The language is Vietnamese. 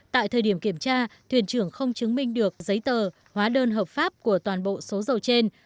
tại thời điểm kiểm tra thuyền trưởng không chứng minh được giấy tờ hóa đơn hợp pháp của toàn bộ số dầu trên